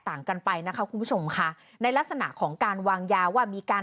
ต่างกันไปนะคะคุณผู้ชมค่ะในลักษณะของการวางยาว่ามีการ